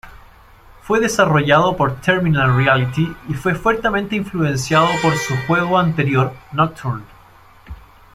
Fue desarrollado por Terminal Reality y fue fuertemente influenciado por su juego anterior "Nocturne".